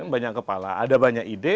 banyak kepala ada banyak ide